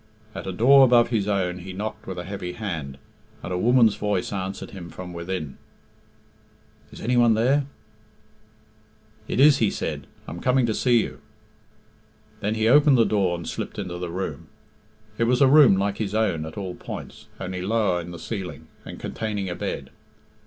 At a door above his own he knocked with a heavy hand, and a woman's voice answered him from within "Is any one there?" "It is!," he said. "I am coming to see you." Then he opened the door and slipped into the room. It was a room like his own at all points, only lower in the ceiling, and containing a bed.